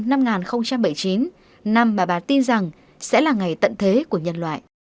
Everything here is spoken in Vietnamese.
năm mà bà tin rằng sẽ là ngày tận thế của nhân loại